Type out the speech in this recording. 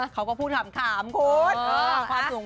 เขาก็พูดคำถามคุณ